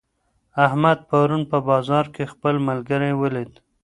احمد پرون په بازار کې خپل ملګری ولید.